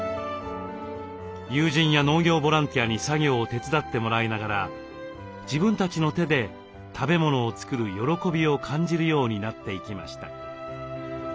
友人や農業ボランティアに作業を手伝ってもらいながら自分たちの手で食べ物を作る喜びを感じるようになっていきました。